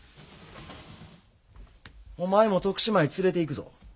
お前も徳島へ連れていくぞ。